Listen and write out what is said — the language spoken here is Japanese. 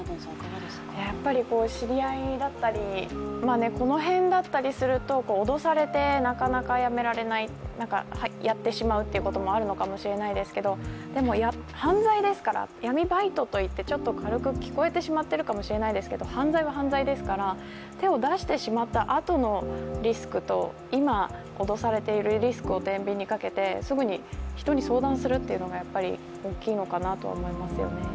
やっぱり知り合いだったり、この辺だったりすると脅されてなかなか辞められないやってしまうってこともあるのかもしれないですけれどもでも犯罪ですから、闇バイトといって軽く聞こえているかもしれませんが犯罪は犯罪ですから手を出してしまったあとのリスクと今、脅されているリスクをてんびんにかけてすぐに人に相談するというのがやっぱり大きいのかなと思いますよね。